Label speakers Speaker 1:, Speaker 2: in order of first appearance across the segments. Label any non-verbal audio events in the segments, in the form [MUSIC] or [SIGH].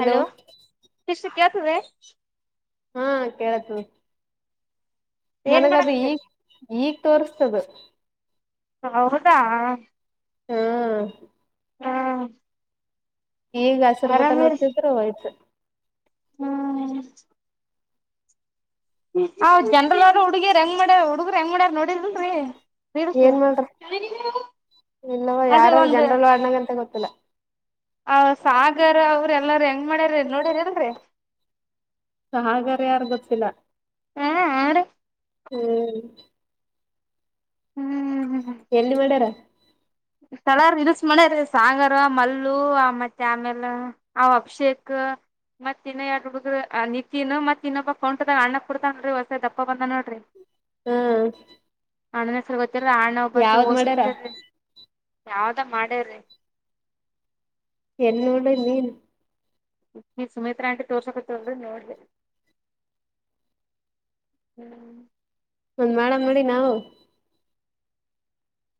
Speaker 1: Hello [UNINTELLIGIBLE]
Speaker 2: ಹಾ ಕೇಳಕತದ
Speaker 1: ಏನ್
Speaker 2: ನನ್ನಗದ
Speaker 1: ಮಾಡಕತ್ತರಿ
Speaker 2: ಈಗ್ ಈಗ್ ತೋರ್ಸ್ತದ
Speaker 1: ಹೌದಾ
Speaker 2: ಹಾ
Speaker 1: ಹ್ಮ
Speaker 2: ಈಗ ಹಸಿರು ಬಟ ಒತಿದ್ರು ಆಯ್ತು
Speaker 1: ಹ್ಮ್ ಹ್ ಜನನ್ರಲ್ ಅವರ ಹುಡುಗಿರ ಹೆಂಗ್ ಮಾಡ್ಯಾರ ಹುಡುಗರು ಹೆಂಗ ಮಾಡ್ಯಾರಿಲ್ಲ ನೋಡಿದಲ್ರರಿ.
Speaker 2: ಏನ್ ಮಾಡ್ರ ಇಲ್ಲವ
Speaker 1: ಅದು
Speaker 2: ಯಾರಾರ
Speaker 1: ಒಂದು
Speaker 2: ಜನ್ರಲ್ ವಾಡನಂಗಂತ ಗೊತ್ತಿಲ್ಲ.
Speaker 1: ಆ ಸಾಗರ್ ಅವ್ರ ಎಲ್ಲಾರ ಹೆಂಗ್ ಮಾಡ್ಯಾರ ನೋಡ್ಯರಲ್ರಿ.
Speaker 2: ಸಾಗರ ಯಾರು ಗೊತ್ತಿಲ್ಲ
Speaker 1: ಹ ಹಾರಿ.
Speaker 2: ಹ್ಮ್.
Speaker 1: ಹ್ಮ್.
Speaker 2: ಎಲ್ಲಿ ಮಾಡ್ಯಾರ.
Speaker 1: ಸ್ಥಳಾರ್ ಇರಸ ಮಾಡ್ಯಾರಿ ಸಾಂಗಾರ ಮಲ್ಲು ಮತ್ತೆ ಆಮೇಲೆ. ಅವ ಅಭಿಷೇಕ. ಮತ್ತ ಇನ್ನ ಎರಡು ಹುಡುಗ್ರ ನಿತ್ಯನು ಮತ್ ಇನ್ನೊಬ್ ಕೌಂಟದಾಗ ಅಣ್ಣ ಕುಡತಾನನ್ ಹೊಸ ದಪ್ಪ ಬಂದ ನೋಡ್ರಿ.
Speaker 2: ಹ.
Speaker 1: ಅಣ್ಣಾನ್ ಹೆಸರ ಗೊತ್ತಿಲ್ಲ ಆಣ್ಣ ಬತ್ತ ಓಸ್
Speaker 2: ಮಾಡ್ಯಾರ
Speaker 1: ಬಂದಿರಿ ಯಾವ್ದ ಮಾಡೇರಿ.
Speaker 2: ಎಲ್ಲ ನೋಡಿ ನೀನು.
Speaker 1: ಸುಮಿತ್ರಾ ಆಂಟಿ ತೋರ್ಸಕಲ್ ನೋಡಿದೆ. ಹ್ಮ್.
Speaker 2: ಒಂದ್ ಮಾಡಮ ನಡಿ ನಾವು.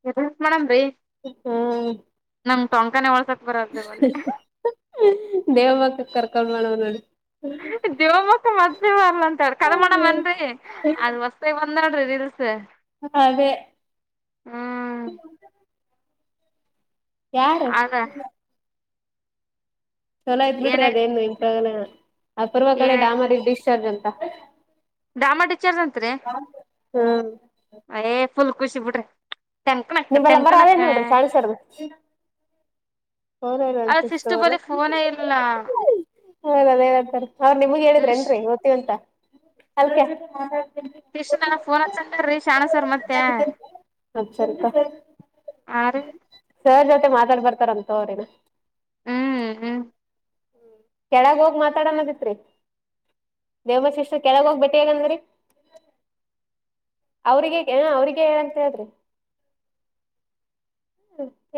Speaker 1: ಎ ರೀಲ್ಸ್ ಮಾಡಮ ರಿ.
Speaker 2: ಹ್ಮ್.
Speaker 1: ನಂಗ್ ತಟೊಕಾನೇ ಒಳಸ
Speaker 2: ದೇವ ಮಕ್ಕ ಕರ್ಕೊಂಡ ಮಾಡಮ ನಡಿ.
Speaker 1: [UNINTELLIGIBLE] [UNINTELLIGIBLE] ಬಂದಾಳ್ರಿ ರೀಲ್ಸ್.
Speaker 2: ಹ ಅದೇ.
Speaker 1: ಹ್ಮ್
Speaker 2: ಹ. ಯಾರ.
Speaker 1: ಅದ
Speaker 2: ಚೊಲೋ ಇದ್ ಬಿಟ್ರಿ
Speaker 1: ಏನಾಯ್ತ್
Speaker 2: ಅದೇನು ಇನ್ ಪ್ರ ಅಪರ್ವ ಕಡೆ
Speaker 1: ಏನಾಯ್ತ್
Speaker 2: ಡಾಮರಿ ಡಿಸಶ್ಚಾರ್ಜ್ ಅಂತ.
Speaker 1: ಡಾಮ ಟಚರ್ ಅತ್ ರಿ.
Speaker 2: ಹ್ಮ್.
Speaker 1: ಫುಲ್ ಖುಷ್ ಬಿಡ್ರಿ ಡಂಕ ನಕ್ಕ್ ಡಂಕ
Speaker 2: ನಿಂಬಲ್ಲಂಬರ ಅದೇ
Speaker 1: ನಕ್ಕ್.
Speaker 2: ನೋಡ್ರಿ ಶಾಣಿ ಸರ್ದು [UNINTELLIGIBLE]
Speaker 1: ಸಿಸ್ಟು ಬಳಿ ಫೋನೇ ಇಲ್ಲ
Speaker 2: ಹೌದ ಅದೇನ ಹತಾರೆ ಅವ್ ನಿಮ್ಗೆ ಹೇಳಿದ್ರ
Speaker 1: ಇಶ್
Speaker 2: ನ್ರೀವತ್ತು. ಅಂತ. [UNINTELLIGIBLE]
Speaker 1: ಇಷ್ಟ ನನ ಫೋನ್ ಹ ಚಂದ್ರೀ ಶಾಣಸರ್ ಮತ್ತೆ.
Speaker 2: [UNINTELLIGIBLE]
Speaker 1: ಆ ರೀ
Speaker 2: ಸರ್ ಜೊತೆ ಮಾತಾಡ್ ಬರ್ತಾರಂತ ಅವ್ರ ಏನ.
Speaker 1: ಹ್ಮ್ ಹ್ಮ್
Speaker 2: ಕೆಳಗ ಹೋಗಿ ಮಾತಾಡಣದಿತ್ರಿ. ದೇವಶಿರು ಕೆಳ ಹೋಗ್ಬಟ್ಟಿೇಗಂದ್ರೀ. ಅವ್ರಿಗೆ ಹ ಅವ್ರಿಗೆ ಹೇಳಂತ ಹೇಳ್ರಿ.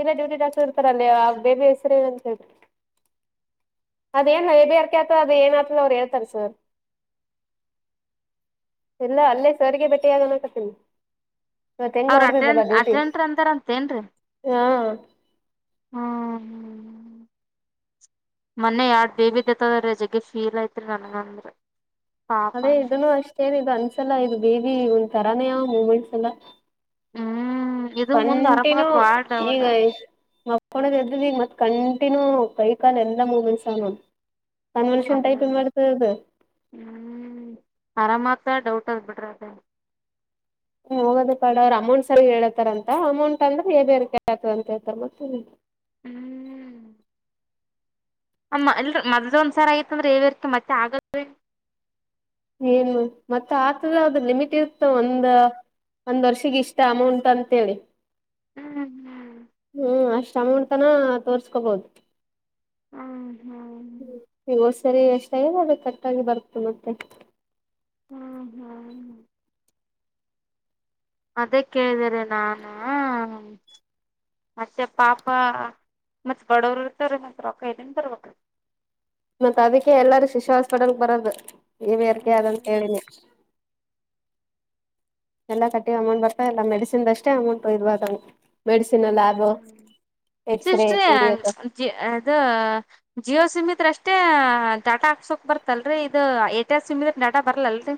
Speaker 2: ಇಲ್ಲ ಡ್ಯೂಟಿ ಡಾಕ್ಟ ಇರ್ತಾರಲ್ಲ ಆ ಬೇಬಿ ಹೆಸ್ರೇಏನ ಅಂತ ಹೇಳ್ರಿ. ಅದೇನ ನೈಬಿರ್ಕ ಆತದ ಅದ ಏನ್ ಆತಲ್ಲ ಅವ್ರು ಹೇಳ್ತಾರೆ ಸರ್. ಇಲ್ಲಾ ಅಲ್ಲ ಸಾರಿಗೆ ಭೇಟಿಯಾಗ ಅನ್ನಕತ್ತೇನ.
Speaker 1: ಅವ್ರ ಅಟೆಂಡ ಅಟೆಂಡರ್ ಅಂತಾರ ಅಂತೇನ್ ರೀ.
Speaker 2: ಹಾ. ಯ್
Speaker 1: ಮೊನ್ನೆ ಎರಡ್ ಬೇಬಿ ಡೆತ್ ಆದ್ರಿ ಜಗ್ಗೆ ಫೀಲ್ ಐತ್ರಿ ನನಗಂದ್ರ.
Speaker 2: ಅದೇ ಇದನ್ನು ಅಷ್ಟೇರೀ ಇದು ಅನ್ಸಲ್ಲ ಇದು ಬೇಬಿ ಒಂದ್ ತರಾನೇ ಆವ್ ಮೂಮೆಂಟ್ಸ್ ಎಲ್ಲ.
Speaker 1: ಹ್ಮ್ ಇದು ಮುಂದ್
Speaker 2: ಕಂಟನ್ಯೂ
Speaker 1: ಆರಾಮತ್ ಬಾಳ್
Speaker 2: ಈಗ.
Speaker 1: ಡೌಟ್
Speaker 2: ಮಾಕೊಂಡಿದ್ದ ಎದಿದ್ದ ಈಗ ಮತ್ ಕಂಟಿನ್ಯೂ ಕೈಕಾಲ್ ಎಲ್ಲ ಮೂಮೆಂಟ್ಸ್ ಆವ್ ನೋಡ್. ಕನ್ವರ್ಷನ್
Speaker 1: ಅದೇ
Speaker 2: ಟೈಪಿಂಗ್ ಮಾಡ್ತದ ಅದ.
Speaker 1: ಹ್ಮ್ ಆರಾಮತದ ಡೌಟ್ ಆದ್ ಬಿಡ್ರಿ ಅಕ್ಡ.
Speaker 2: ಹೋಗೋದೆ ಪಾಡ್ ಅವ್ರ ಅಮೌಂಟ್ ಸರ್ ಗಿ ಹೇಳತರ ಅಂತ ಅಮೌಂಟ್ ಅಂದ್ರೆೇ ಬೇರ್ [UNINTELLIGIBLE] ಅಂತ ಹೇಳ್ತಾರ. ಮತ್ತೇನ್
Speaker 1: ಹ್ಮ. ಅಮ್ಮ ಅಲ್ದ ಮದ್ಯಾನ ಸಾರ್ ಐತಂದ್ರ ಏನ್ ಇರುತ್ತ ಮತ್ತೆ ಆಗ
Speaker 2: ಏನು ಮತ್ತ ಆತದ ಅದ ಲಿಮಿಟ್ ಇರ್ತ. ಒಂದ ಒಂದ್ ವರ್ಷಗಿ ಇಷ್ಟ ಅಮೌಂಟ್ ಅಂತೇಳಿ.
Speaker 1: ಹ್ಮ್
Speaker 2: ಹ್ಮ್ ಅಷ್ಟ ಅಮೌಂಟ್ತನ ತೋರ್ಸ್ಕೋಬೋದು.
Speaker 1: ಹಾ, ಹಾ
Speaker 2: ಹ್ಮ್ ಈಗ ಹೊದ್ಸರಿ ಎಷ್ಟ ಆಗ್ಯಾದ ಅದ ಕಟ್ಟಾಗಿ ಬರ್ತ ಮತ್ತೆ.
Speaker 1: ಹ್ಮ್, ಹ್ಮ್ ಅದೇ ಕೇಳಿದರೀ ನಾನ. ಮತ್ತೆ ಪಾಪ ಮತ್ತ್ ಬಡವರು ಇರ್ತಾರಿ ಮತ್ತ್ ರೊಕ್ಕ ಎಲ್ಲಿಂದ ಬರ್ಬೇಕರಿ.
Speaker 2: ಮತ್ತ ಅದಕ್ಕೆ ಎಲ್ಲಾರು ಶಿಶು ಹಾಸ್ಪಟಲ್ಕ್ ಬರದ ಏನ್ ಎರ್ಗೆ ಅದಂತ ಹೇಳಿನೇ. ಎಲ್ಲ ಕಟ್ಟಿ ಅಮೌಂಟ್ ಬರ್ತ ಇಲ್ಲ. ಮೆಡಿಸಿನ್ದ ಅಷ್ಟೇ ಅಮೌಂಟ್ [UNINTELLIGIBLE] ಮೆಡಿಸಿನ ಲ್ಯಾಬ್ ಎಕ್ಸ್ರೇ [UNINTELLIGIBLE]
Speaker 1: ಜೀ ಅದ. ಜಿಯೋ ಸಿಮ್ ಇದ್ರ ಅಷ್ಟೇ ಡಾಟಾ ಹಾಕ್ಸೋಕ್ ಬರ್ತಲ್ರರಿ ಇದು ಏರ್ಟೆಲ್ ಸಿಮ್ ಇದ್ರ ಡಾಟಾ ಬರ್ಲಲ್ರರಿ.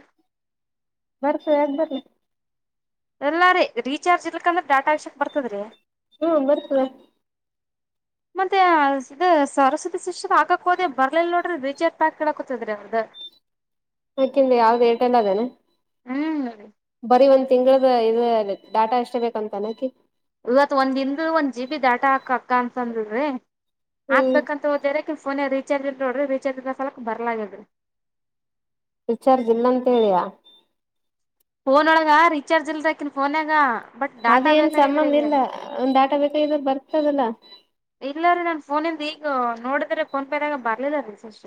Speaker 2: ಬರ್ತದ ಯಾಕ ಬರ್ಲಾ.
Speaker 1: ಇಲ್ಲ ರೀ ರೀಚಾರ್ಜ್ ಇಲ್ರ್ಕ್ಕಂದ್ರ ಡಾಟಾ ಹಾಕ್ಸಕ್ ಬರ್ತದ್ರೀ
Speaker 2: ಹ್ಮ್ ಬರ್ತದ.
Speaker 1: ಮತ್ತೆ ಇದ ಸರಸ್ವತಿ ಶಿಸ್ಟರ್ಹಾಕ್ಕ ಹೋದೆ ಬರ್ಲಿಲ್ಲ ನೋಡ್ರಿ ರಿಚಾರ್ಜ್ ಪ್ಯಾಕ್ ಕೇಳಕೊತದ ರೀ ಅವ್ರದ.
Speaker 2: ಅಕಿಂದ ಯಾವ್ದು ಏರ್ಟೆಲ್ ಅದೇನ.
Speaker 1: ಹ್ಮ್ ರಿ.
Speaker 2: ಬರೀ ಒಂದ್ ತಿಂಗಳದ ಇದ ಡಾಟಾ ಅಷ್ಟೇ ಬೇಕಂತನಕಿಗಿ.
Speaker 1: ಇವತ್ ಒಂದಿನದ ಒಂದ್ ಜಿ ಬಿ ಡಾಟಾ ಹಾಕಕ್ಕ ಅಂತ ಅದಳ್ರಿ
Speaker 2: ಹ್ಮ್
Speaker 1: ಹಾಕ್ಬೇಕ ಹೋದೆ ರಿ. ಫೋನಗ ರೀಚಾರ್ಜ ಇಲ್ ನೋಡ್ರಿ ರೀಚಾರ್ಜ ಇರರ್ದ ಸಲೆಕ್ಕ ಬರ್ಲಾ ಆ ಗ್ಯಾದ್ರಿ.
Speaker 2: ರಿಚಾರ್ಜ್ ಇಲ್ಲ ಅಂತ ಹೇಳಿಯ.
Speaker 1: ಫೋನನೊಳಗ ರೀಚಾರ್ಜ್ ಇಲ್ರಿ ಅಕಿನ್ ಫೋನ್ಗ.
Speaker 2: ಅದೇಏನ್ ಸಂಬಂಧ ಇಲ್ಲ ಒಂದ ಡಾಟಾ ಬೇಕ ಆಗಿದ್ರಾ ಬರ್ತದಲ್ಲ.
Speaker 1: ಇಲ್ಲ ರೀ ನನ್ನ ಫೋನ್ ಇಂದ್ ಈಗ ನೋಡಿದ್ರ ಫೋನ್ ಪೇದ್ಗ ಬರ್ಲಿಲ್ಲ ರೀ. ಸಷ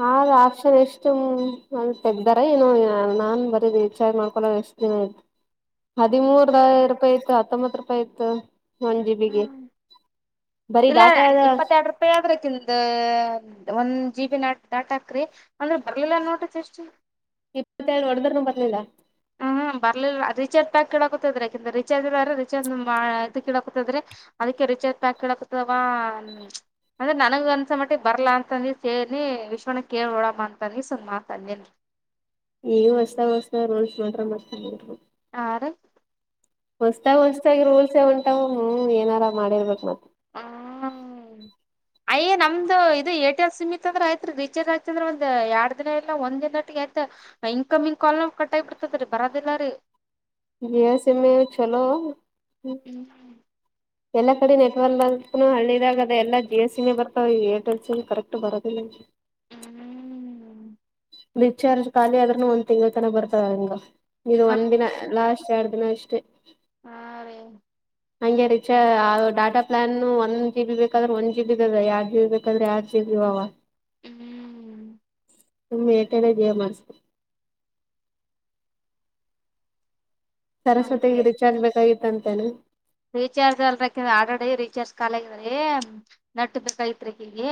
Speaker 2: ಹ ಆಪ್ಷನ್ ಎಷ್ಟು ತೆಗ್ದಾರ ಏನು ನಾನ್ ಬರೀ ರಿಚಾರ್ಜ್ ಮಾಡ್ಕೊಂಡಿನಿ. ಅಷ್ಟ್ ದಿನ ಹದಿಮೂರ ದರೂಪಾಯಿ ಐತ್ ಹತ್ತೊಂಬತ್ ರೂಪಾ ಯ್ ಆಯ್ತ ಒಂದ ಜಿಬಿಗಿ ಬರಿೀ ಡಾಟಾ ಅದ
Speaker 1: ಪೆ ಆದ್ರಿ ತಅಕಿಂದ ಒಂದ್ ಜೀಬಿ ನಾಡಾಟಾ ಹಾಕ್ರಿ. ಅಂದ್ರ ಬರ್ಲಿಲ್ಲ ನೋಡ್ರಿ ಸಿಸ್ಟರ್.
Speaker 2: ಇಪ್ಪತ್ತೆರಡು ಹೊಡದ್ರನು ಬರ್ಲಿಲ್ಲ.
Speaker 1: ಹ್ಮ್ ಬರ್ಲಿಲ್ಲ ರಿಚಾರ್ಜ್ ಪ್ಯಾಕ್ ಕೇಳ್ಕುಂತದ್ರಿ ಅಕಿಂದ ರಿಚಾರ್ಜ್ ಇಲ್ಲಾರಿ ರಿಚಾರ್ಜ್ ಮಾ ಇದು ಕೇಳ್ ಕುಂತದ್ರಿ.. ಅದ್ಕಕೆ ರಿಚಾರ್ಜ್ ಪ್ಯಾಕ ಕೇಳ್ಕುಂತದ ಅವ್ವ. ಅಂದ್ರೆ ನನಗ ಅನ್ಸ್ ಮಟ್ಟಿಗಿ ಬರ್ಲಾ ಅಂತಂದಸ್ ಹೇಳೀನಿ ವಿಶ್ವನ ಕೇಳ ನೋಡಮ್ ಅಂದಿನಿ ಸುಮಾತ ಅಂದಿನಿ.
Speaker 2: ಈಗ ಹೊಸ್ತಾಗಿ ಹೊಸ್ತಾಗಿ ರೋಲ್ಸ್ ಮಾಡ್ಯಾರ ಮತ್ ಏನ್ ಮಾಡೈರ.
Speaker 1: ಆರು.
Speaker 2: ಹೊಸತಾಗಿ ಹೊಸತಾಗಿ ರೂಲ್ಸ್ ಉಂಟಾವ ಹ್ಮ ಏನಾರ ಮಾಡಿರ್ಬೇಕ್ ನಾವು. [INAUDIBLE]
Speaker 1: ಅಯ್ ನಮ್ದ ಇದು ಏರ್ಟೆಲ್ ಸಿಮ ಇತ್ ಅಂದ್ರ ಆಯತ್ ರೀಚಾರ್ಜ್ ಆಯತ ಅಂದ್ರ್ ಒಂದು ಎರಡ್ ದಿನ ಇಲ್ಲ ಒಂದ್ ದಿನ ನಟ್ಟಿಗೆ ಆಯತ. ಇನ್ಕಮಿಂಗ್ ಕಾಲ ಕಟ್ಗಬಿಡ್ತದರಿ ಬರೋದಿಲ್ಲ ರೀ.
Speaker 2: ಜಿಯೋ ಸೀಮ್ ನು ಚಲೋ. ಎಲ್ಲಾ ಕಡೆ ನೆಟ್ವರ್ಕ್ ಬ ಹಳ್ಳಿದಾಗ ಅದ ಎಲ್ಲ ಜಿಯೂ ಎಸ್ ಸೀಮ್ ಬರ್ತಾವ ಏರ್ಟೆಲ್ ಸೀಮ್ ಕರೆಕ್ಟ್ ಬರೋದಿಲ್ಲ.
Speaker 1: ಹ್ಮ್
Speaker 2: ರಿಚಾರ್ಜ್ ಖಾಲಿ ಆದ್ರೂ ಒಂದ್ ತಿಂಗಳ್ ತನಕ ಬರ್ತಾವ ಹಂಗ.. ಇದು ಒಂದ್ ದಿನ ಲಾಸ್ಟ್ ಎರಡ್ ದಿನ ಅಷ್ಟೇ.
Speaker 1: ಹಾ ರೀ.
Speaker 2: ಹಂಗೆ ರಿಚಾರ್ಜ್ ಡಾಟಾ ಪ್ಲಾನ್ ಒಂದ ಜಿಬಿ ಬೇಕಾದ್ರೆ ಒಂದ್ ಜಿ ಬಿ ಇದೇ ಎರಡ್ ಜಿಬಿ ಬೇಕದ್ರ ಎರಡ್ ಜಿಬಿ ಇದೇ. ಎರಡ್ ಜಿಬಿ ಅವ.
Speaker 1: ಹ್ಮ್
Speaker 2: ನಿಮ್ ಎರ್ಟೆಲ್ ಜಿಯೂ ಮಾಡ್ಸು.
Speaker 1: ನಮ್ದೇ
Speaker 2: ಸರಸ್ವತಿಗೆ ರಿಚಾರ್ಜ್ ಬೇಕಾಗಿತ್ತ ಅಂತನೆ
Speaker 1: ರೀಚಾರ್ಜ್ ಅಲ್ಕ ಆಲರೀಡಿ ರೀಚಾರ್ಜ್ ಕಾಲೀ ಅಕತಿ. ನಟ್ಟ ಬಕಗ್ಕಯತ್ರಿ ಅಕಿಗೆ.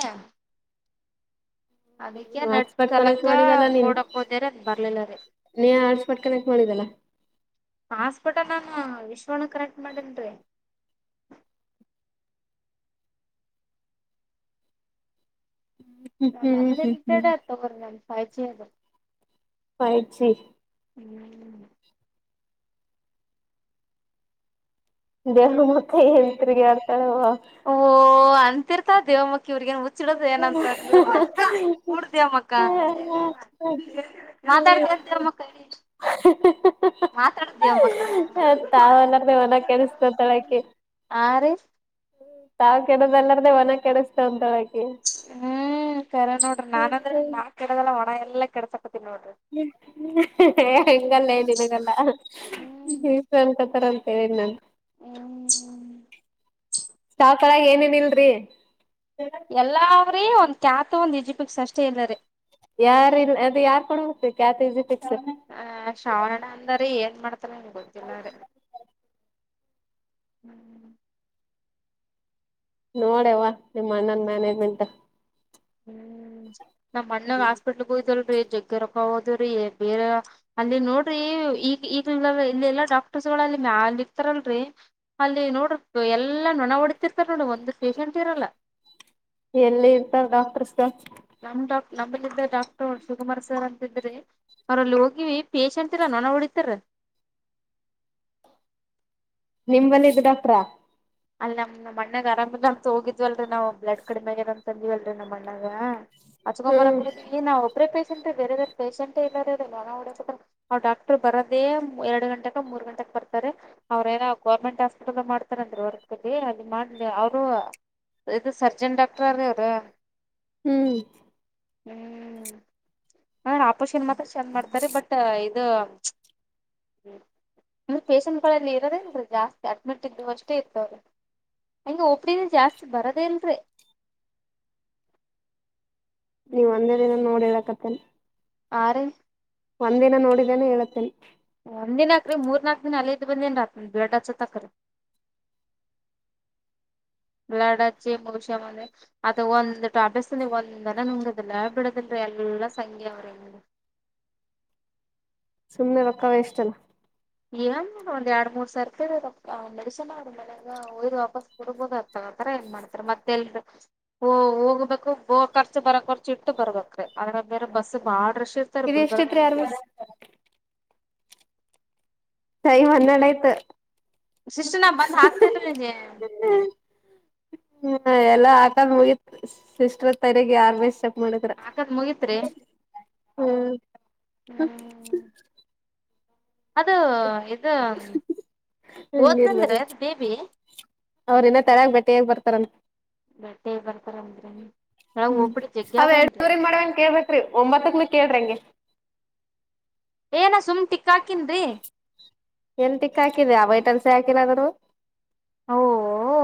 Speaker 2: [INAUDIBLE]
Speaker 1: ಅದಕ್ಕೆ ನಟ್
Speaker 2: ಹಾಟ್ಸ್ಪಾಟ್ ಕನೆಕ್ಟ್
Speaker 1: ಸಲಕ
Speaker 2: ಮಾಡಿದಲ್ಲ ನೀನ್
Speaker 1: ನೋಡಕ್ ಹೋದರೆ ಅದ್ ಬರ್ಲಿಲ್ಲ ರೀ.
Speaker 2: ನೀ ಹಾಸ್ಬಟ್ ಕನೆಕ್ಟ್ ಮಾಡಿದ್ದೆಲಾ.
Speaker 1: ಹಾಸ್ಬಟ್ ನಾನು ವಿಶ್ವಣ ಕರೆಕ್ಟ್ ಮಾಡೀನ್ ರೀ.
Speaker 2: ಹ್ಮ್ ಹ್ಮ್ ಹ್ಮ್
Speaker 1: ಅನ್ಲಿಮಿಟೆಡ್
Speaker 2: ಹ್ಮ್
Speaker 1: ತಗೋರಿನ್ ನನ್ನ ಫೈಜಿಬಿ ಅದು.
Speaker 2: Five GB.
Speaker 1: ಹ್ಮ್
Speaker 2: ದೇವ ಮತ್ತ ಎಲ್ತ್ಗ ಆರ್ತ ಆಗಳವ್ವ.
Speaker 1: ಓ ಅಂತಿರ್ತಾ ದೇವಮ್ಮಕ್ಕ. ಇವ್ರಗೇನ್ ಹುಚ್ಚಿಡದು ಏನಂತ...... ದೇವಾಮ್ಮಕ್ಕ. ಮಾತಾಡ್ ದೇವಮಕ್ಕ.
Speaker 2: ಹ ಹ.
Speaker 1: ಮಾತಾಡತೀಯಾ ಅಮ್ಮಕ್ಕ.
Speaker 2: ಇವ್ನೆಲ್ ಕೆಳ್ಸಕೊಂತಳಕಿ.
Speaker 1: ಹಾರಿ......
Speaker 2: ತಾವ್ ಕೆಡದಲ್ಲಾರ್ದೇ ಒನ ಕೆಡಿಸಳಸ್ತಂತ ಅಕಿ.
Speaker 1: ಹ್ಮ್ ಸರ ನೋಡ್ರಿ ನಾನಂದ್ರ ನಾ ಕೆಡ್ದಲ್ಲ ಒಣ ಎಲ್ಲಾ ಕೆಡಸಕತನಿ ನೋಡ್ರಿ.
Speaker 2: ಹೇ ಹಿಂಗ್ ಅಲ್ಲೇ ನಿನ್ಗಲ್ಲಾ.
Speaker 1: ಹ್ಮ್
Speaker 2: ಈ ಸಂಕತರ ಅಂತ ಹೇಳಿ ನನ್.
Speaker 1: ಹ್ಮ್
Speaker 2: ಸಾಕ್ಳಾಗ ಏನೇನ್ ಇಲ್ರಿ.
Speaker 1: ಎಲ್ಲಾವ್ರೀ ಒಂದ್ ಕ್ಯಾತು ಒಂದ್ ಈಜಿಪಕ್ ಸಷ್ಟೇ ಇಲ್ಲಾರೆ.
Speaker 2: ಯಾರ್ ಇ ಅದ ಯಾರ್ ಕೊಡ ಹೋಗ ಕ್ಯಾ [INAUDIBLE]
Speaker 1: ಆ ಶ್ರಾವಣ ಅಂದಾರ ಏನ್ ಮಾಡ್ತ ಏನ್ ಗೋತಿಲರಿ. ಹ್ಮ್
Speaker 2: ನೋಡವ ನಿಮ್ಮ್ ಅಣ್ಣನ್ ಮ್ಯಾನೇಜ್ಮೆಂಟ್.
Speaker 1: ಹ್ಮ್ ನಮ್ ಅಣ್ಣಾಗ ಹಾಸ್ಪಿಟ್ಲಗೆ ಜಗ್ಗ್ ರೊಕ್ಕ ಹೋದವಿರಿ...... ಬೇರೆ. ಅಲ್ಲಿ ನೋಡ್ರಿ ಈಗ ಈಗ್ ಇಲ್ಲ ಎಲ್ಲಾ ಡಾಕ್ಟರ್ಸ್ ಗಳು ಅಲ್ಲಿ ಮ್ಯಾಲ ಇರ್ತಾರಲ್ರರಿ. ಅಲ್ಲಿ ನೋಡ್ರ ಎಲ್ಲಾ ನೊಣ ಹೊಡಿತಿರ್ತಾರ ನೋಡ ಒಂದ್ ಪೇಷಂಟ್ ಇರಲ್ಲ.
Speaker 2: ಎಲ್ಲಿ ಇರ್ತಾರ ಡಾಕ್ಟರ್ಸ್.
Speaker 1: ನಮ್ ಡಾಕ್ ನಮ್ಮಲ್ಲಿದ್ದ ಡಾಕ್ಟರ್ ಶಿವಕುಮಾರ್ ಸರ್ ಅಂತಿದ್ರಿ. ಅವ್ರ ಅಲ್ಲಿ ಹೋಗಿವಿ ಪೇಶೆಂಟ್ ಇಲ್ಲ ನೊಣ ಹೊಡಿತಾರ.
Speaker 2: ನಿಮ್ಮಲಿ ಇದ್ದ ಡಾಕ್ಟ್ರ.
Speaker 1: ಅಲ್ಲ ನಮ್ ನಮ್ ಅಣ್ಣಗ ಆರಾಮಿಲ್ಲ ಅಂತ ಹೋಗಿದ್ವಲ್ರರಿ ನಾವ ಬ್ಲಡ್ ಕಡಿಮೆ ಆಗೆದ್ದ ಅಂತಂದೀವಲ್ರರಿ ನಮ್ಮ ಅಣ್ಣಗ ಹಚ್ಕೊಂಬರಕ
Speaker 2: ಹ್ಮ್
Speaker 1: ಹ ಇದ್ವಿ ನಾವ ಒಬ್ರೇ ಪೇಷಂಟ್ ಬೇರೆ ಪೇಷಂಟ ಇಲ್ಲ ನೊಣ ಹೊಡೆ ಅವ ಡಾಕ್ಟರ್ ಬರದೇ ಎರಡು ಗಂಟೆಕ ಮೂರ್ ಗಂಟಕ್ ಬರ್ತಾರೆ. ಅವ್ರ ಏನ ಗೌರ್ಮೆಂಟ್ ಹಾಸ್ಪಟಲ್ ಮಾಡತಾರಂದ್ರಿ ವರ್ಕ್. ಅಲ್ಲಿ ಮಾಡ್ಲಿ ಅವರು ಇದ ಸರ್ಜನ್ ಡಾಕ್ಟ್ರ ರೀ ಅವರ
Speaker 2: ಹ್ಮ.
Speaker 1: ಹ್ಮ. ಹ ಆಪಷನ್ ಮಾತ್ರ ಚೆಂದ ಮಾಡ್ತಾರ ಬಟ್ ಇದ ಹ್ಮ ಪೇಷೆಂಟ್ಗಳಲ್ಲಿ ಇರೋದೇಲ್ ಜಾಸ್ತಿ ಅಡ್ಮಿಟ್ ಇದ್ದು ಅಷ್ಟೇ ಇತವ್ರರಿ. ಹೆಂಗ ಓಪಡಿ ಜಾಸ್ತಿ ಬರೋದೇ ಇಲ್ರರಿ.
Speaker 2: ನೀ ಒಂದೇ ದಿನ ನೋಡಿ ಹೇಳಕತ್ತೇನ.
Speaker 1: ಆರೀ
Speaker 2: ಒಂದಿನ ನೋಡಿದೇನೆ ಹ ಹೇಳಳ್ತೇನ.
Speaker 1: ಒಂದಿನ ಯಾಕ್ರೀ ಮೂರ್ನಾಕದಿಕ ಅಲ್ಲೇ ಇದ್ದ ಬಂದೀನ್ರಿ ಬ್ಲಡ್ ಹಚ್ಚುತಕಾರಿ.
Speaker 2: [INAUDIBLE]
Speaker 1: ಲಡಾಚ ಮಷ ಮ ಅದ ಒಂದ ಟ ಅಭ್ಯಾಸದಲ್ಲಿ ಒಂದನ ನಂಗದಿಲ್ಲ ಬಿಡೋದಲ್ರೀ ಎಲ್ಲ ಸಂಘ್ಯ ಅವ್ರ
Speaker 2: ಸುಮ್ನೆ ರೊಕ್ಕ ವೇಸ್ಟ್ ಅಲ್ಲ.
Speaker 1: ಏನಿಲ್ಲ ಒಂದ ಯಡ ಮೂರ ಸರ್ತೆ ಮೆಡಸನ್ ಮೇ ಈ ಉಯ್ದ ವಾಪಾಸ್ ಕುಡ್ಬೋದ ಆಗ್ತ ಆತರ ಏನ್ ಮಾಡ್ತಾರ ಮತ್ತ ಎಲ್ರ ಓ ಓಗ್ಬೇಕು ಖರ್ಚ ಬರಕ್ ಖರ್ಚು ಇಟ್ಟು ಬರ್ಬೇಕ್ರೀ ಅದ್ರ ಮೇಲೆ ಬಸ್ ಬಾಳ ರಶ್ ಸರ್
Speaker 2: ಇದು
Speaker 1: ಗುಲ್ಬರ್ಗ
Speaker 2: ಎಷ್ಟಿತ್ರಿ
Speaker 1: [UNINTELLIGIBLE]
Speaker 2: ಅರ್ವಸ್ ಟೈಮ್ ಹಣ್ಣೇಡ ಆಯ್ತ.
Speaker 1: ಶಿಷ್ಟ ನಾ ಬಂದ ಹಾಕ್ತನ್ರೀ ಜೆ
Speaker 2: [UNINTELLIGIBLE] ಎಲ್ಲಾ ಹಾಕೊದ ಮುಗೀತ ಸಿಸ್ಟ್ರ ತರಗೆ ಆರ್ಮೇ ಮಾಡತ್ರ
Speaker 1: ಹಾಕದ್ ಮುಗಿತ್ರಿ
Speaker 2: ಹ್ಮ
Speaker 1: ಹ್ಮ್ ಅದು ಇದ
Speaker 2: ಹಂಗ ಇರ್ಬದ ಅವ್ರ ಇನ್ನ ತೆಳಗ ಬಟ್ಟೆ ಆಗ ಬರ್ತಾರಂತ.
Speaker 1: ಬಟ್ಟೆ ಬರ್ತಾರ ಅಂದ್ರ
Speaker 2: ಹ್ಮ ಅವ ಎರಡುರಿ ಮಾಡ ಅನ ಕೇಳ್ಬೇಕ್ರೀ ಒಂಬತ್ತಕ್ನ ಕೇಳ್ರಿ ಹಂಗೆ
Speaker 1: ಏ ನಾ ಸುಮ್ ಟಿಕ್ಕ ಹಾಕನ್ರಿ.
Speaker 2: ಎನ ಟಿಕ್ಕ ಹಾಕಿದ್ಯಾ ವೈಟ್ಲ್ಸೆ ಹಾಕಿಲ್ಲದ್ರೂ.
Speaker 1: ಓ ಓ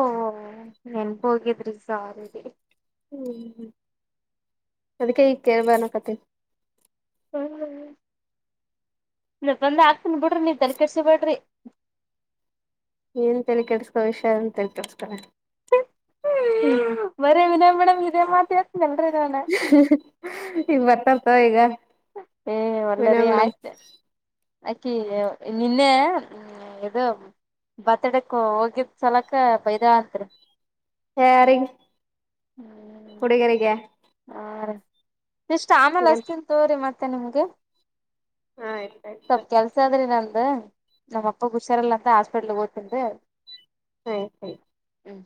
Speaker 1: ನೆನ್ಪ ಹೋಗಿದ್ರಿ ಸಾ
Speaker 2: ಹ್ಮ ಅದಕ್ಕೆ ಈಗ ಕೇಳಬ ಅನಕತ್ತೀನಿ.
Speaker 1: ಹ್ಮ ನ ಬಂದ ಹಾಕ್ತನ ಬಿಡ್ರಿ ನೀ ತಲೆ ಕಡ್ಸಿ ಬಿಡ್ರ.
Speaker 2: ಏನ ತಲೆ ಕೆಡಸ್ಕೋ ವಿಷಾ ಅಂತ ಕೆಡಸ್ಕಾರ.
Speaker 1: ಬರೀ ವಿನಯ್ ಮೇಡಮ್ ಇದೇ ಮಾತ ಹೇಳ್ತನಲ್ರಿ ನಾನ
Speaker 2: [UNINTELLIGIBLE] ಈಗ ಬರ್ತಾರತೊ ಈಗ
Speaker 1: ಏ
Speaker 2: ವಿನಯ
Speaker 1: ಒಲ್ಲರೀ
Speaker 2: ಮೇಡಮ್
Speaker 1: ಆಯ್ತ್ ಅಕಿ ನಿನ್ನೆ ಇದು ಬರ್ತಡೇತಕ್ಕ ಹೋಗಿದ್ ಸಲಕ ಬೈದಳ್ ಅಂತ್ರಿ
Speaker 2: ಯಾರಿಗಿ
Speaker 1: ಹ್ಮ್
Speaker 2: ಹುಡುಗೆರಿಗೆ
Speaker 1: ಹಾ ರೀ ಸಿಷ್ಟ ಆಮೇಲ
Speaker 2: ಏನ್
Speaker 1: ಹಚ್ಚತ್ತಿನಿ ತೋರಿ ಮತ್ತೆ ನಿಮ್ಗೆ
Speaker 2: ಹಾ ಆಯ್ತ ಆಯ್ತು
Speaker 1: ಸ್ವಲ್ಪ ಕೆಲ ಸಾದ್ರಿ ನಂದ್ ನಮ್ಮ ಅಪ್ಪಗ್ ಹುಷಾರಿಲ್ಲ ಅಂತ ಹಾಸ್ಪಿಟ್ಲಗ್ ಹೊತ್ತನರೀ
Speaker 2: ಸರಿ ಸರಿ
Speaker 1: ಹ್ಮ್